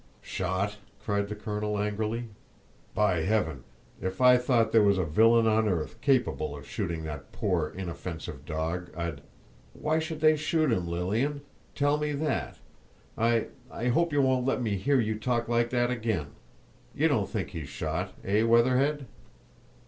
"Shot!" cried the colonel, angrily. "By heaven! if I thought there was a villain on earth capable of shooting that poor inoffensive dog, I'd—Why should they shoot him, Lilian? Tell me that! I—I hope you won't let me hear you talk like that again. You don't think he's shot, eh, Weatherhead?"